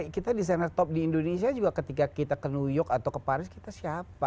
kita desainer top di indonesia juga ketika kita ke new york atau ke paris kita siapa